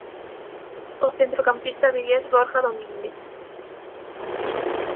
O centrocampista vigués Borja Domínguez.